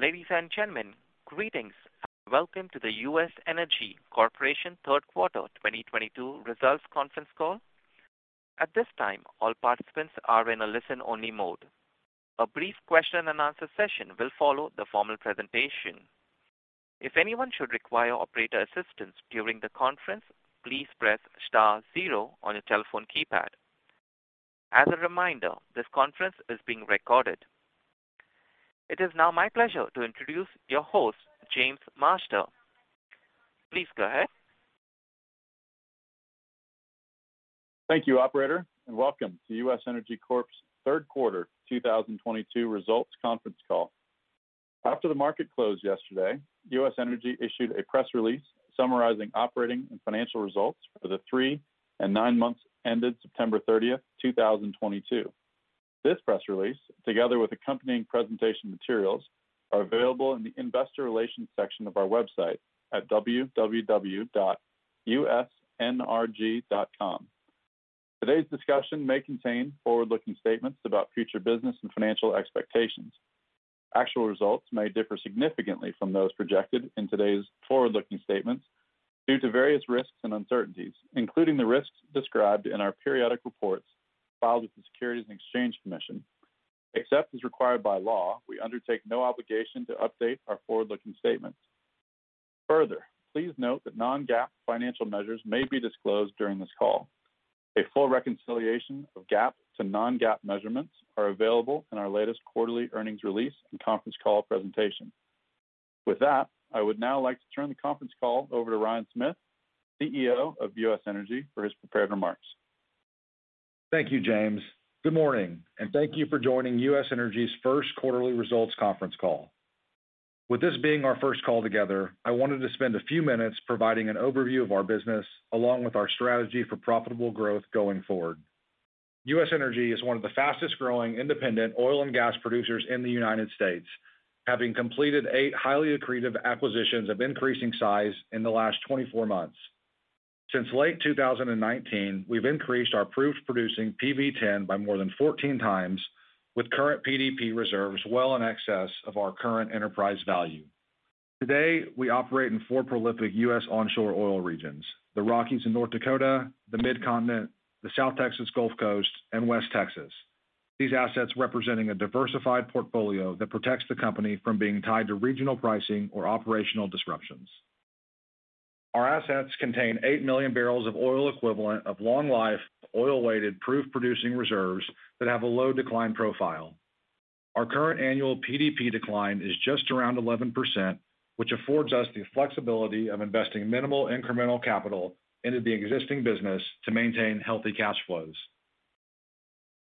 Ladies and gentlemen, greetings and welcome to the U.S. Energy Corp. Third Quarter 2022 Results Conference Call. At this time, all participants are in a listen-only mode. A brief question and answer session will follow the formal presentation. If anyone should require operator assistance during the conference, please press star zero on your telephone keypad. As a reminder, this conference is being recorded. It is now my pleasure to introduce your host, James Masters. Please go ahead. Thank you, operator and welcome to U.S. Energy Corp.'s third quarter 2022 results conference call. After the market closed yesterday, U.S. Energy Corp. issued a press release summarizing operating and financial results for the three and nine months ended 30 September 2022. This press release, together with accompanying presentation materials, are available in the investor relations section of our website at www.usnrg.com. Today's discussion may contain forward-looking statements about future business and financial expectations. Actual results may differ significantly from those projected in today's forward-looking statements due to various risks and uncertainties, including the risks described in our periodic reports filed with the Securities and Exchange Commission. Except as required by law, we undertake no obligation to update our forward-looking statements. Further, please note that non-GAAP financial measures may be disclosed during this call. A full reconciliation of GAAP to non-GAAP measurements are available in our latest quarterly earnings release and conference call presentation. With that, I would now like to turn the conference call over to Ryan Smith, CEO of U.S. Energy Corp. for his prepared remarks. Thank you, James. Good morning and thank you for joining U.S. Energy's first quarterly results conference call. With this being our first call together, I wanted to spend a few minutes providing an overview of our business along with our strategy for profitable growth going forward. U.S. Energy is one of the fastest-growing independent oil and gas producers in the United States, having completed eight highly accretive acquisitions of increasing size in the last 24 months. Since late 2019, we've increased our proved producing PV-10 by more than 14 times with current PDP reserves well in excess of our current enterprise value. Today, we operate in four prolific U.S. onshore oil regions, the Rockies in North Dakota, the Mid-Continent, the South Texas Gulf Coast and West Texas. These assets representing a diversified portfolio that protects the company from being tied to regional pricing or operational disruptions. Our assets contain 8 million barrels of oil equivalent of long life, oil weighted proved producing reserves that have a low decline profile. Our current annual PDP decline is just around 11%, which affords us the flexibility of investing minimal incremental capital into the existing business to maintain healthy cash flows.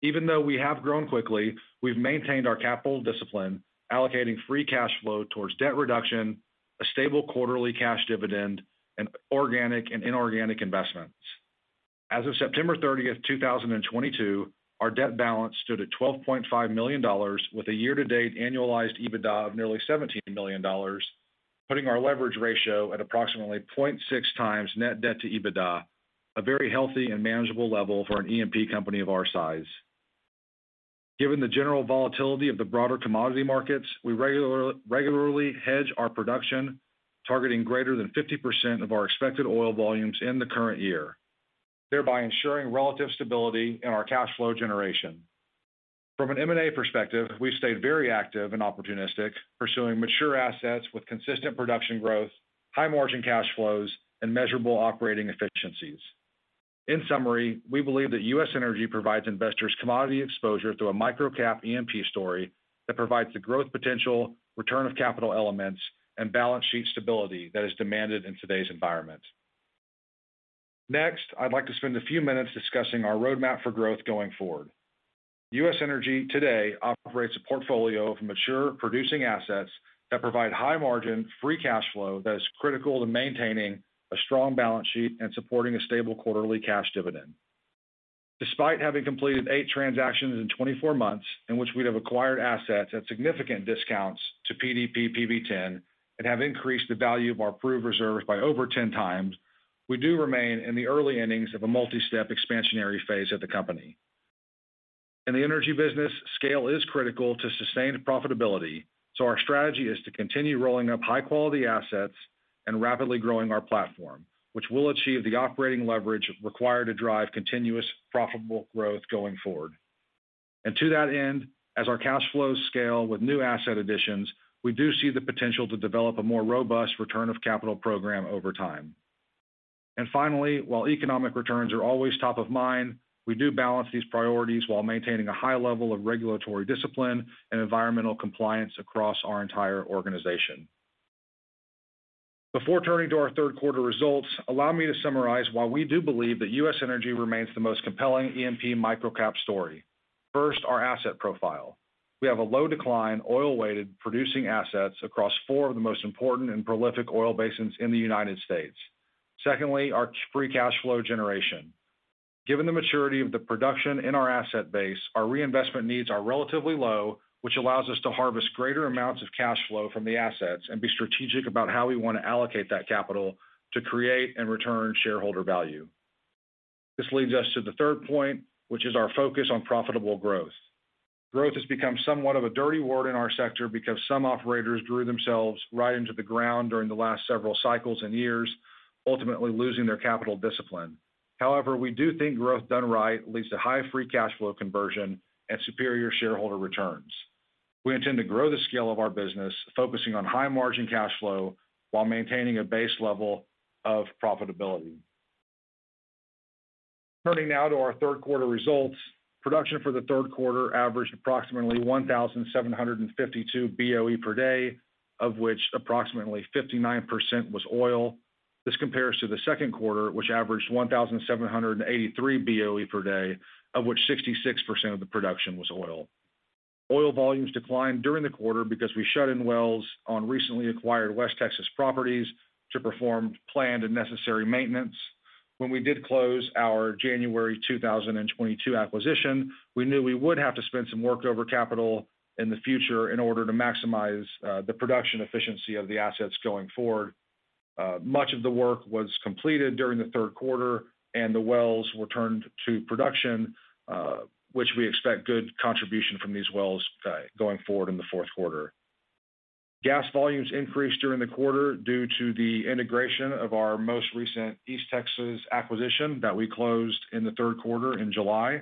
Even though we have grown quickly, we've maintained our capital discipline, allocating free cash flow towards debt reduction, a stable quarterly cash dividend and organic and inorganic investments. As of 30 September 2022, our debt balance stood at $12.5 million with a year-to-date annualized EBITDA of nearly $17 million, putting our leverage ratio at approximately 0.6x net debt to EBITDA. A very healthy and manageable level for an E&P company of our size. Given the general volatility of the broader commodity markets, we regularly hedge our production, targeting greater than 50% of our expected oil volumes in the current year, thereby ensuring relative stability in our cash flow generation. From an M&A perspective, we've stayed very active and opportunistic, pursuing mature assets with consistent production growth, high margin cash flows and measurable operating efficiencies. In summary, we believe that U.S. Energy provides investors commodity exposure through a microcap E&P story that provides the growth potential, return of capital elements and balance sheet stability that is demanded in today's environment. Next, I'd like to spend a few minutes discussing our roadmap for growth going forward. U.S. Energy today operates a portfolio of mature producing assets that provide high margin free cash flow that is critical to maintaining a strong balance sheet and supporting a stable quarterly cash dividend. Despite having completed eight transactions in 24 months in which we'd have acquired assets at significant discounts to PDP PV-10 and have increased the value of our proved reserves by over 10 times, we do remain in the early innings of a multi-step expansionary phase at the company. In the energy business, scale is critical to sustained profitability, so our strategy is to continue rolling up high-quality assets and rapidly growing our platform, which will achieve the operating leverage required to drive continuous profitable growth going forward. To that end, as our cash flows scale with new asset additions, we do see the potential to develop a more robust return of capital program over time. Finally, while economic returns are always top of mind, we do balance these priorities while maintaining a high level of regulatory discipline and environmental compliance across our entire organization. Before turning to our third quarter results, allow me to summarize why we do believe that U.S. Energy remains the most compelling E&P microcap story. First, our asset profile. We have a low decline, oil-weighted producing assets across four of the most important and prolific oil basins in the United States. Secondly, our free cash flow generation. Given the maturity of the production in our asset base, our reinvestment needs are relatively low, which allows us to harvest greater amounts of cash flow from the assets and be strategic about how we want to allocate that capital to create and return shareholder value. This leads us to the third point, which is our focus on profitable growth. Growth has become somewhat of a dirty word in our sector because some operators drew themselves right into the ground during the last several cycles and years, ultimately losing their capital discipline. However, we do think growth done right leads to high free cash flow conversion and superior shareholder returns. We intend to grow the scale of our business, focusing on high margin cash flow while maintaining a base level of profitability. Turning now to our third quarter results. Production for the third quarter averaged approximately 1,752 BOE per day, of which approximately 59% was oil. This compares to the second quarter, which averaged 1,783 BOE per day, of which 66% of the production was oil. Oil volumes declined during the quarter because we shut in wells on recently acquired West Texas properties to perform planned and necessary maintenance. When we did close our January 2022 acquisition, we knew we would have to spend some workover capital in the future in order to maximize the production efficiency of the assets going forward. Much of the work was completed during the third quarter and the wells returned to production, which we expect good contribution from these wells, going forward in the fourth quarter. Gas volumes increased during the quarter due to the integration of our most recent East Texas acquisition that we closed in the third quarter in July.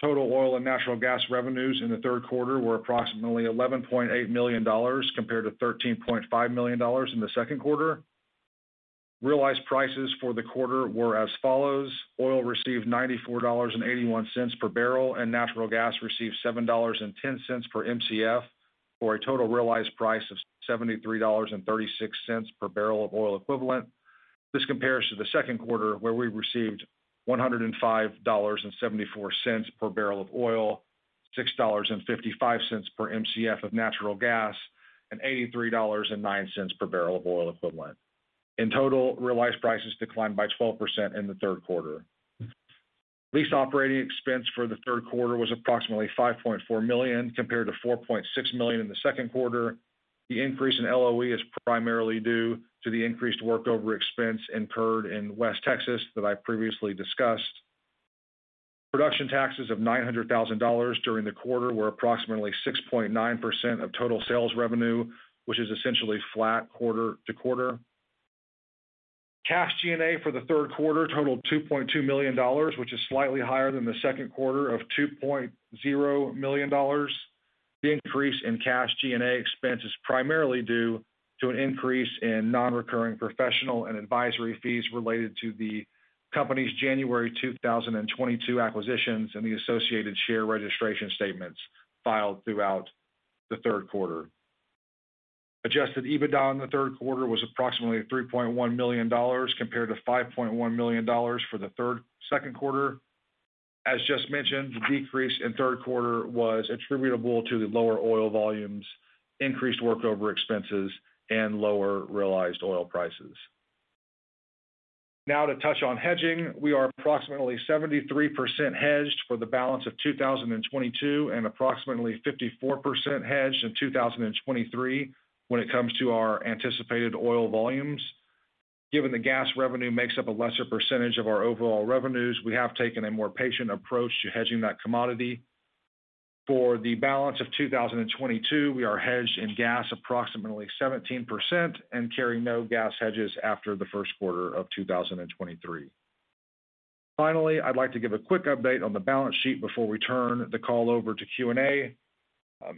Total oil and natural gas revenues in the third quarter were approximately $11.8 million compared to $13.5 million in the second quarter. Realized prices for the quarter were as follows: Oil received $94.81 per barrel and natural gas received $7.10 per Mcf for a total realized price of $73.36 per barrel of oil equivalent. This compares to the second quarter, where we received $105.74 per barrel of oil, $6.55 per Mcf of natural gas and $83.09 per barrel of oil equivalent. In total, realized prices declined by 12% in the third quarter. Lease operating expense for the third quarter was approximately $5.4 million, compared to $4.6 million in the second quarter. The increase in LOE is primarily due to the increased workover expense incurred in West Texas that I previously discussed. Production taxes of $900,000 during the quarter were approximately 6.9% of total sales revenue, which is essentially flat quarter-over-quarter. Cash G&A for the third quarter totaled $2.2 million, which is slightly higher than the second quarter of $2.0 million. The increase in cash G&A expense is primarily due to an increase in non-recurring professional and advisory fees related to the company's January 2022 acquisitions and the associated share registration statements filed throughout the third quarter. Adjusted EBITDA in the third quarter was approximately $3.1 million, compared to $5.1 million for the second quarter. As just mentioned, the decrease in third quarter was attributable to the lower oil volumes, increased workover expenses and lower realized oil prices. Now to touch on hedging. We are approximately 73% hedged for the balance of 2022 and approximately 54% hedged in 2023 when it comes to our anticipated oil volumes. Given the gas revenue makes up a lesser percentage of our overall revenues, we have taken a more patient approach to hedging that commodity. For the balance of 2022, we are hedged in gas approximately 17% and carry no gas hedges after the first quarter of 2023. Finally, I'd like to give a quick update on the balance sheet before we turn the call over to Q&A.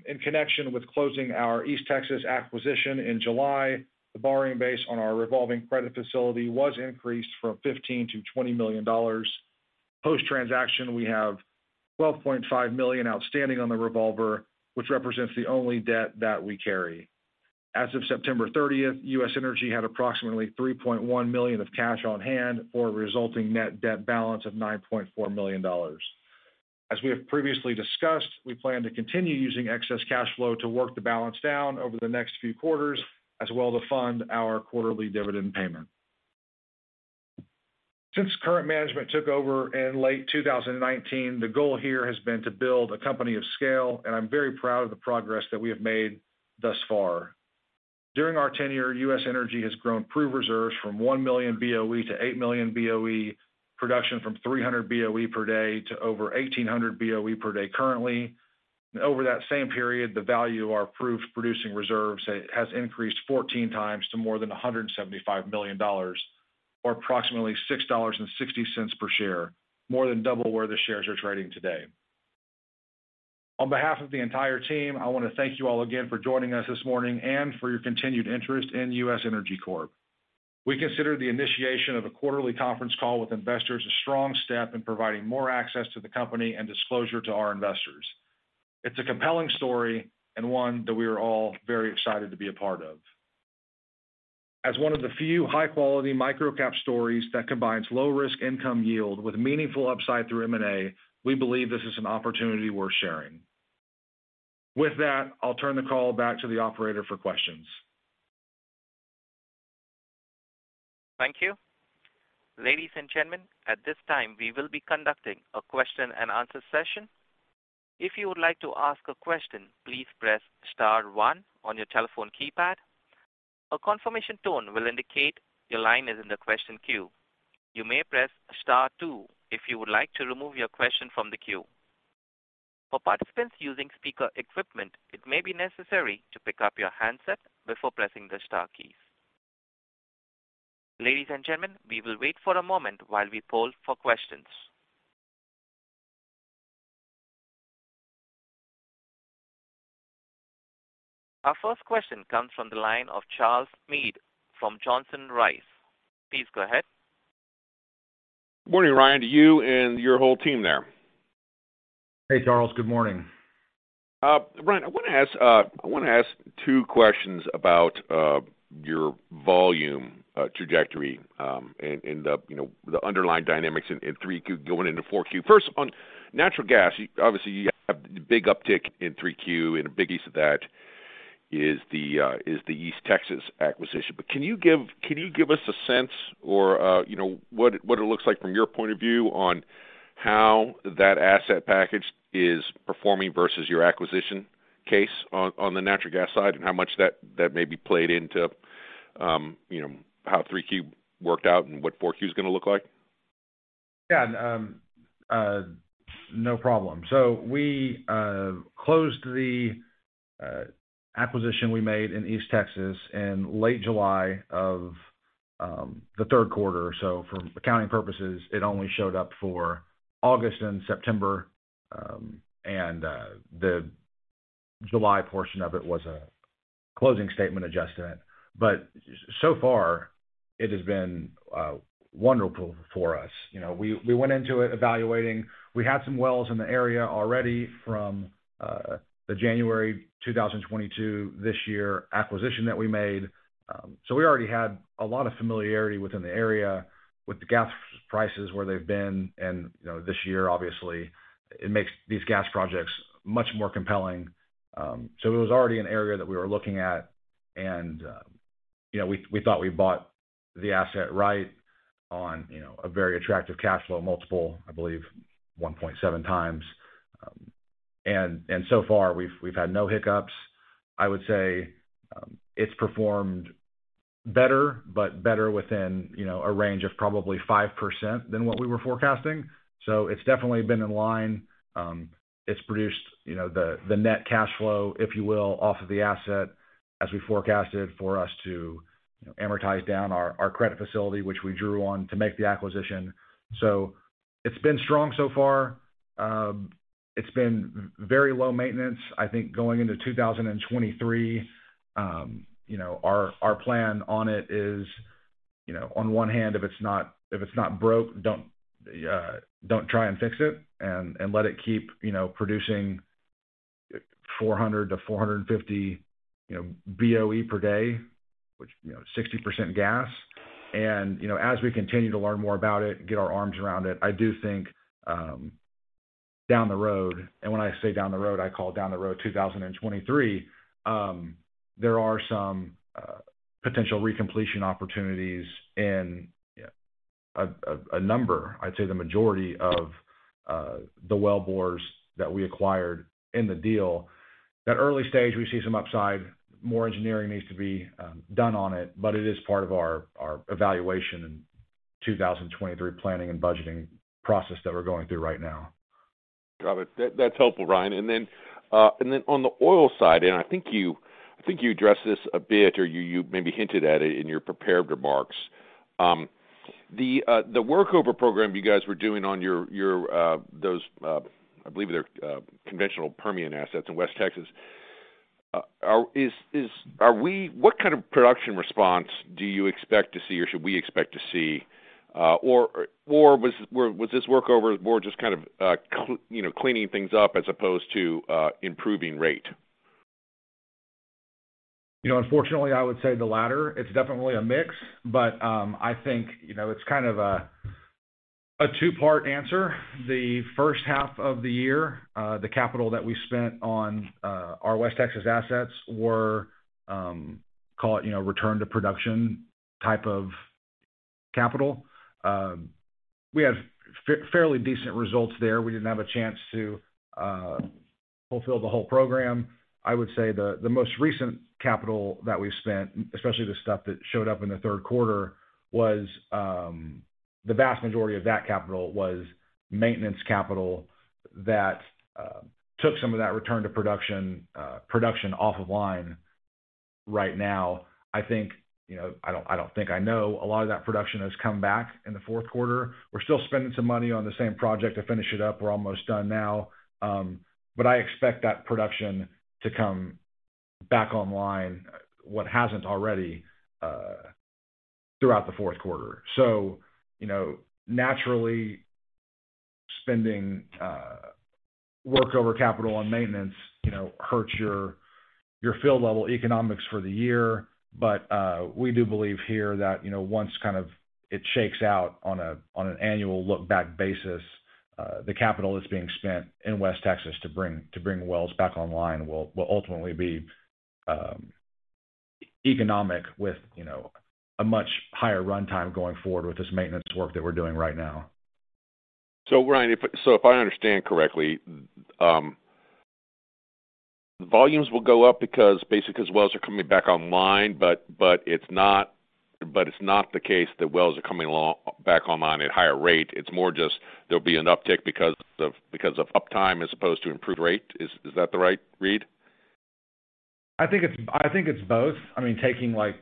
In connection with closing our East Texas acquisition in July, the borrowing base on our revolving credit facility was increased from $15 million-$20 million. Post-transaction, we have $12.5 million outstanding on the revolver, which represents the only debt that we carry. As of 30 September, U.S. Energy had approximately $3.1 million of cash on hand for a resulting net debt balance of $9.4 million. As we have previously discussed, we plan to continue using excess cash flow to work the balance down over the next few quarters, as well to fund our quarterly dividend payment. Since current management took over in late 2019, the goal here has been to build a company of scale and I'm very proud of the progress that we have made thus far. During our tenure, U.S. Energy has grown proved reserves from 1 million BOE to 8 million BOE, production from 300 BOE per day to over 1,800 BOE per day currently. Over that same period, the value of our proved producing reserves has increased 14 times to more than $175 million or approximately $6.60 per share, more than double where the shares are trading today. On behalf of the entire team, I wanna thank you all again for joining us this morning and for your continued interest in U.S. Energy Corp. We consider the initiation of a quarterly conference call with investors a strong step in providing more access to the company and disclosure to our investors. It's a compelling story and one that we are all very excited to be a part of. As one of the few high-quality micro-cap stories that combines low risk income yield with meaningful upside through M&A, we believe this is an opportunity worth sharing. With that, I'll turn the call back to the operator for questions. Thank you. Ladies and gentlemen, at this time, we will be conducting a question and answer session. If you would like to ask a question, please press star one on your telephone keypad. A confirmation tone will indicate your line is in the question queue. You may press star two if you would like to remove your question from the queue. For participants using speaker equipment, it may be necessary to pick up your handset before pressing the star keys. Ladies and gentlemen, we will wait for a moment while we poll for questions. Our first question comes from the line of Charles Meade from Johnson Rice & Company. Please go ahead. Morning, Ryan to you and your whole team there. Hey, Charles. Good morning. Ryan, I want to ask two questions about your volume trajectory and the underlying dynamics in 3Q going into 4Q. First, on natural gas, obviously you have the big uptick in 3Q and a big piece of that is the East Texas acquisition. Can you give us a sense or you know what it looks like from your point of view on how that asset package is performing versus your acquisition case on the natural gas side. How much that may be played into you know how 3Q worked out and what 4Q is gonna look like. Yeah. No problem. We closed the acquisition we made in East Texas in late July of the third quarter. For accounting purposes, it only showed up for August and September. The July portion of it was a closing statement adjustment. So far it has been wonderful for us. You know, we went into it evaluating. We had some wells in the area already from the January 2022 this year acquisition that we made. We already had a lot of familiarity within the area with the gas prices, where they've been. You know, this year, obviously it makes these gas projects much more compelling. It was already an area that we were looking at. You know, we thought we bought the asset right on, you know, a very attractive cash flow multiple, I believe 1.7 times. So far we've had no hiccups. I would say, it's performed better within, you know, a range of probably 5% than what we were forecasting. It's definitely been in line. It's produced, you know, the net cash flow, if you will, off of the asset as we forecasted for us to amortize down our credit facility, which we drew on to make the acquisition. It's been strong so far. It's been very low maintenance. I think going into 2023, you know, our plan on it is, you know, on one hand, if it's not broke, don't try and fix it and let it keep, you know, producing 400-450 BOE per day, which, you know, 60% gas. You know, as we continue to learn more about it, get our arms around it, I do think down the road and when I say down the road, I call down the road 2023, there are some potential recompletion opportunities in a number, I'd say the majority of the wellbores that we acquired in the deal. That early stage, we see some upside. More engineering needs to be done on it but it is part of our evaluation in 2023 planning and budgeting process that we're going through right now. Got it. That's helpful, Ryan. On the oil side, I think you addressed this a bit or you maybe hinted at it in your prepared remarks. The workover program you guys were doing on your those, I believe they're conventional Permian assets in West Texas. What kind of production response do you expect to see or should we expect to see? Was this workover more just kind of you know, cleaning things up as opposed to improving rate? You know, unfortunately, I would say the latter. It's definitely a mix but I think, you know, it's kind of a two-part answer. The first half of the year, the capital that we spent on our West Texas assets were, call it, you know, return to production type of capital. We had fairly decent results there. We didn't have a chance to fulfill the whole program. I would say the most recent capital that we've spent, especially the stuff that showed up in the third quarter, was the vast majority of that capital was maintenance capital that took some of that return to production production off of line right now. I think, you know, I don't think I know a lot of that production has come back in the fourth quarter. We're still spending some money on the same project to finish it up. We're almost done now. I expect that production to come back online, what hasn't already, throughout the fourth quarter. You know, naturally spending workover capital on maintenance, you know, hurts your field level economics for the year. We do believe here that, you know, once kind of it shakes out on an annual look back basis, the capital that's being spent in West Texas to bring wells back online will ultimately be economic with, you know, a much higher runtime going forward with this maintenance work that we're doing right now. Ryan, if I understand correctly, volumes will go up because basically wells are coming back online but it's not the case that wells are coming back online at higher rate. It's more just there'll be an uptick because of uptime as opposed to improved rate. Is that the right read? I think it's both. I mean, taking like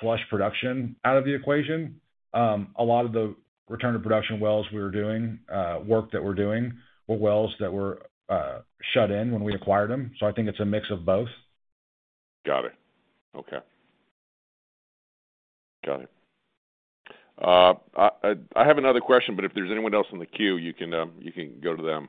flush production out of the equation, a lot of the return to production wells we were doing, work that we're doing were wells that were shut in when we acquired them. I think it's a mix of both. Got it. Okay. Got it. I have another question but if there's anyone else in the queue, you can go to them.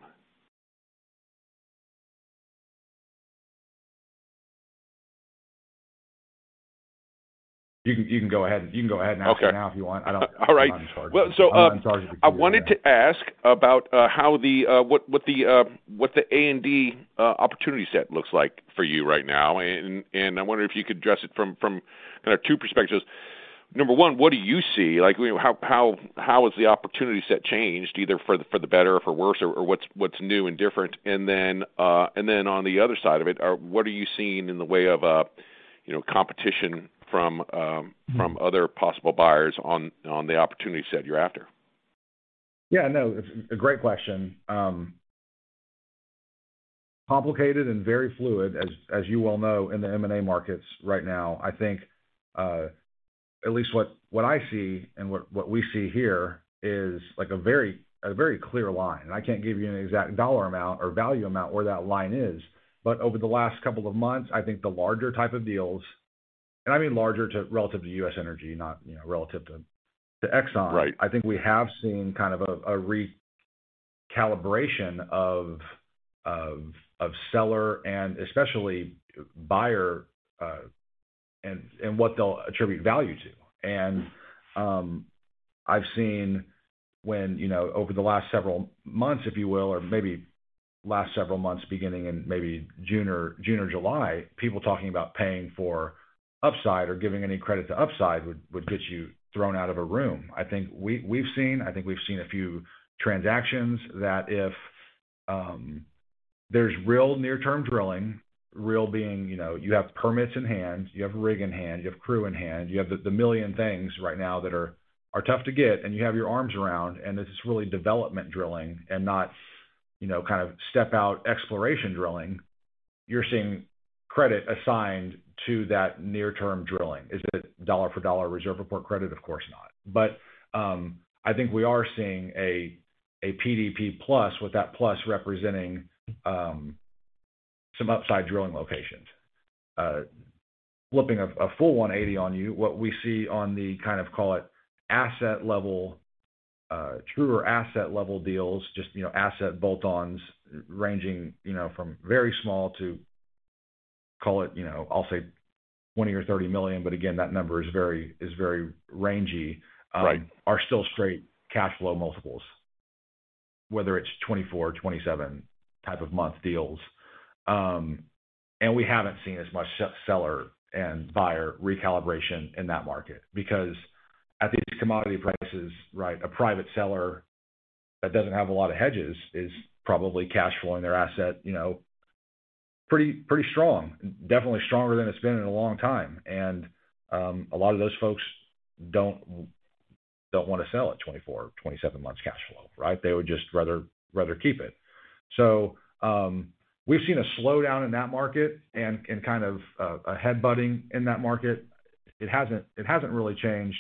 You can go ahead. You can go ahead and ask now if you want. Okay. All right. I don't, I'm not in charge. I'm not in charge of the queue here. I wanted to ask about how the A&D opportunity set looks like for you right now. I wonder if you could address it from kind of two perspectives. Number one, what do you see? Like, you know, how has the opportunity set changed either for the better or for worse or what's new and different? On the other side of it, what are you seeing in the way of, you know, competition from other possible buyers on the opportunity set you're after? Yeah. No, it's a great question. Complicated and very fluid as you well know, in the M&A markets right now. I think, at least what I see and what we see here is like a very clear line. I can't give you an exact dollar amount or value amount where that line is. Over the last couple of months, I think the larger type of deals and I mean larger, too, relative to U.S. Energy, not, you know, relative to Exxon. I think we have seen kind of a recalibration of seller and especially buyer and what they'll attribute value to. I've seen when, you know, over the last several months, if you will or maybe last several months, beginning in maybe June or July, people talking about paying for upside or giving any credit to upside would get you thrown out of a room. I think we've seen a few transactions that if there's real near-term drilling, real being, you know, you have permits in hand, you have rig in hand, you have crew in hand, you have the million things right now that are tough to get and you have your arms around and this is really development drilling and not, you know, kind of step out exploration drilling, you're seeing credit assigned to that near-term drilling. Is it dollar for dollar reserve report credit? Of course not. I think we are seeing a PDP plus with that plus representing some upside drilling locations. Flipping a full 180 on you, what we see on the kind of, call it asset level, truer asset level deals, just, you know, asset bolt-ons ranging, you know, from very small to call it, you know, I'll say $20 million or $30 million but again, that number is very rangy are still straight cash flow multiples, whether it's 24-27 month deals. We haven't seen as much seller and buyer recalibration in that market because at these commodity prices, right, a private seller that doesn't have a lot of hedges is probably cash flowing their asset, you know, pretty strong. Definitely stronger than it's been in a long time. A lot of those folks don't wanna sell at 24-27 months cash flow, right? They would just rather keep it. We've seen a slowdown in that market and kind of a head butting in that market. It hasn't really changed.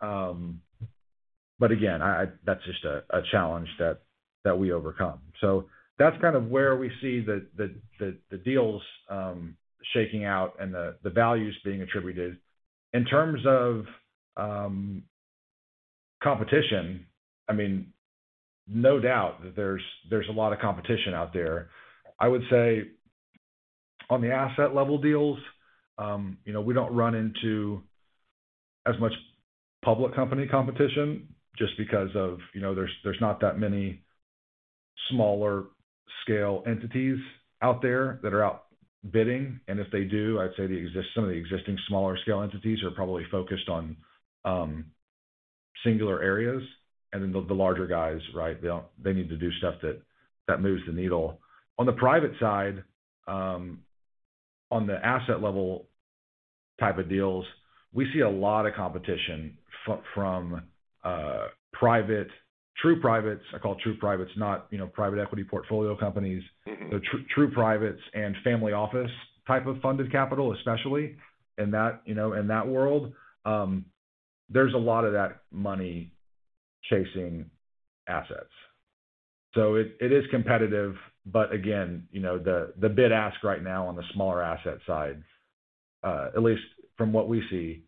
But again, that's just a challenge that we overcome. That's kind of where we see the deals shaking out and the values being attributed. In terms of competition, I mean, no doubt that there's a lot of competition out there. I would say on the asset level deals, you know, we don't run into as much public company competition just because of, you know, there's not that many smaller scale entities out there that are outbidding. If they do, I'd say some of the existing smaller scale entities are probably focused on singular areas. The larger guys, right, they need to do stuff that moves the needle. On the private side, on the asset level type of deals, we see a lot of competition from private, true privates. I call true privates, not, you know, private equity portfolio companies. The true privates and family office type of funded capital, especially in that, you know, in that world, there's a lot of that money chasing assets. It is competitive. Again, you know, the bid-ask right now on the smaller asset side, at least from what we see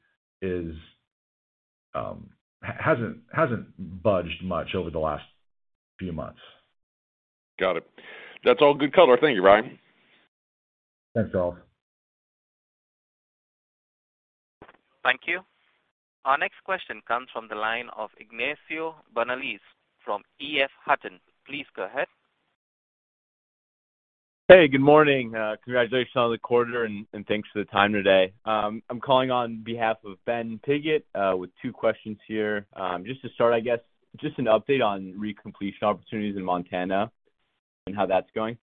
hasn't budged much over the last few months. Got it. That's all good color. Thank you, Ryan. Thanks, all. Thank you. Our next question comes from the line of Ignacio Bernal from EF Hutton. Please go ahead. Hey, good morning. Congratulations on the quarter and thanks for the time today. I'm calling on behalf of Ben Piggott with two questions here. Just to start, I guess, just an update on recompletion opportunities in Montana and how that's going.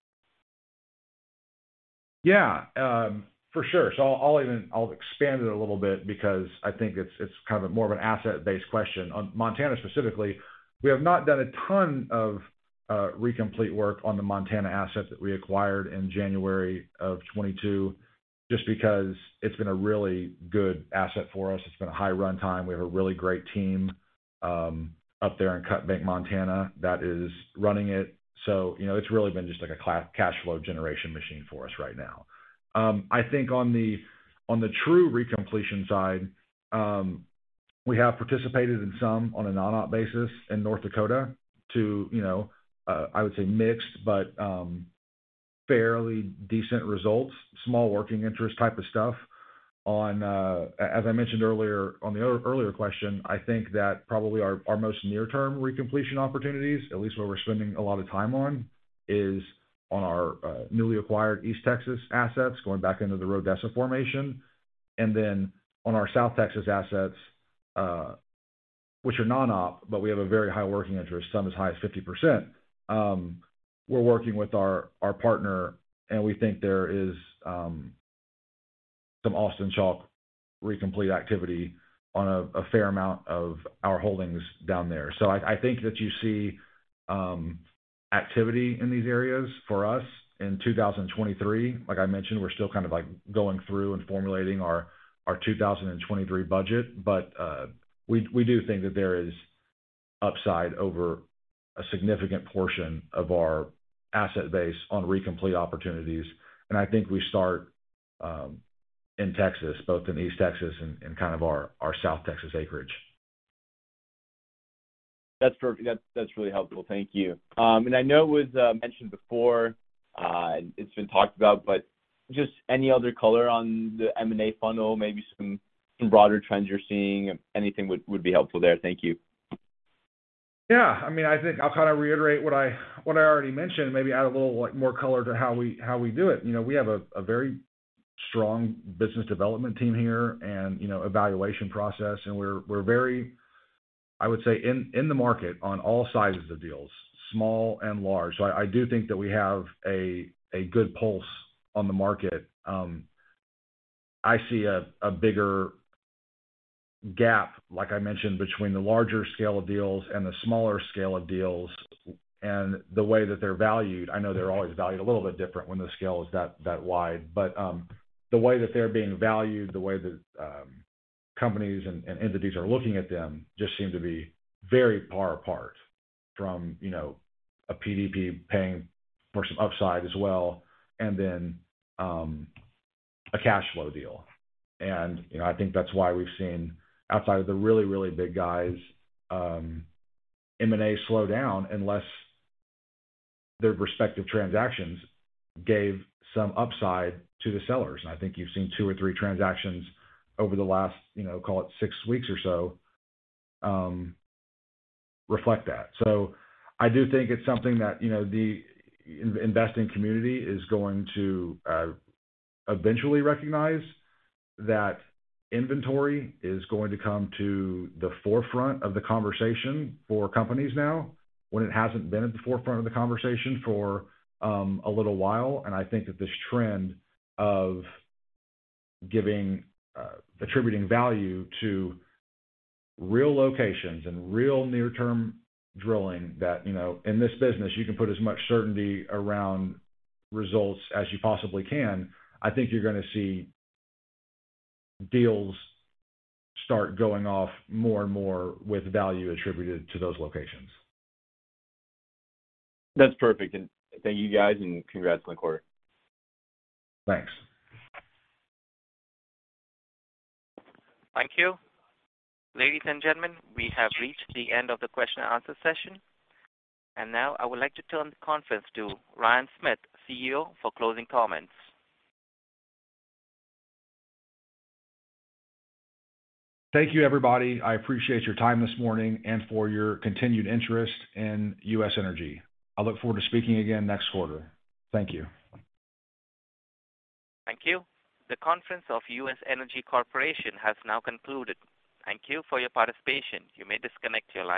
Yeah, for sure. I'll expand it a little bit because I think it's kind of more of an asset-based question. On Montana specifically, we have not done a ton of recompletion work on the Montana asset that we acquired in January of 2022, just because it's been a really good asset for us. It's been a high runtime. We have a really great team up there in Cut Bank, Montana, that is running it. You know, it's really been just like a cash flow generation machine for us right now. I think on the true recompletion side, we have participated in some on a non-op basis in North Dakota to you know I would say mixed but fairly decent results. Small working interest type of stuff. As I mentioned earlier, on the earlier question, I think that probably our most near-term recompletion opportunities, at least where we're spending a lot of time on, is on our newly acquired East Texas assets, going back into the Rodessa Formation. Then on our South Texas assets, which are non-op but we have a very high working interest, some as high as 50%. We're working with our partner and we think there is some Austin Chalk recomplete activity on a fair amount of our holdings down there. I think that you see activity in these areas for us in 2023. Like I mentioned, we're still kind of, like, going through and formulating our 2023 budget. We do think that there is upside over a significant portion of our asset base on recomplete opportunities. I think we start in Texas, both in East Texas and kind of our South Texas acreage. That's really helpful. Thank you. I know it was mentioned before and it's been talked about but just any other color on the M&A funnel, maybe some broader trends you're seeing. Anything would be helpful there. Thank you. Yeah. I mean, I think I'll kind of reiterate what I already mentioned and maybe add a little more color to how we do it. You know, we have a very strong business development team here and, you know, evaluation process. We're very, I would say, in the market on all sides of the deals, small and large. I do think that we have a good pulse on the market. I see a bigger gap, like I mentioned, between the larger scale of deals and the smaller scale of deals and the way that they're valued. I know they're always valued a little bit different when the scale is that wide. The way that they're being valued, the way that companies and entities are looking at them just seem to be very far apart from, you know, a PDP paying for some upside as well and then a cash flow deal. You know, I think that's why we've seen outside of the really big guys M&A slow down unless their respective transactions gave some upside to the sellers. I think you've seen two or three transactions over the last, you know, call it six weeks or so, reflect that. I do think it's something that, you know, the investing community is going to eventually recognize, that inventory is going to come to the forefront of the conversation for companies now, when it hasn't been at the forefront of the conversation for a little while. I think that this trend of giving attributing value to real locations and real near-term drilling that, you know, in this business you can put as much certainty around results as you possibly can. I think you're gonna see deals start going off more and more with value attributed to those locations. That's perfect. Thank you guys and congrats on the quarter. Thanks. Thank you. Ladies and gentlemen, we have reached the end of the question and answer session. Now I would like to turn the conference to Ryan Smith, CEO, for closing comments. Thank you, everybody. I appreciate your time this morning and for your continued interest in U.S. Energy. I look forward to speaking again next quarter. Thank you. Thank you. The conference of U.S. Energy Corp. has now concluded. Thank you for your participation. You may disconnect your line.